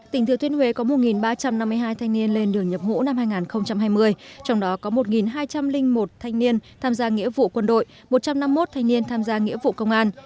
tỉnh thừa thuyên huế có một ba trăm năm mươi hai thanh niên lên đường nhập ngũ năm hai nghìn hai mươi trong đó có một hai trăm linh một thanh niên tham gia nghĩa vụ quân đội một trăm năm mươi một thanh niên tham gia nghĩa vụ công an